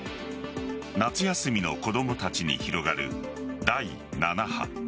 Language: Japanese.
夏休みの子供たちに広がる第７波。